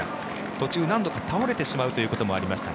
途中何度か倒れてしまうこともありました。